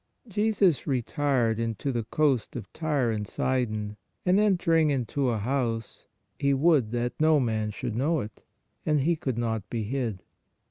Jesus retired into the coast of Tyre and Sidon, and entering into a house, He would that no man should know it, and He could not be hid.